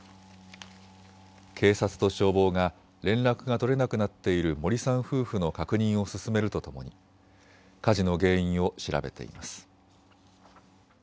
警察と消防が連絡が取れなくなっている森さん夫婦の確認を進めるとともに火事の原因を調べています。